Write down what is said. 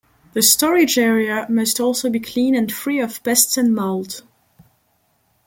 The storage area must also be clean and free of pests and mould.